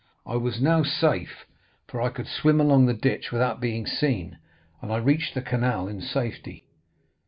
I was now safe, for I could swim along the ditch without being seen, and I reached the canal in safety.